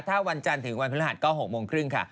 ถ้าวันจันทร์ถึงวันพฤหัสก็๖โมงครึ่งค่ะ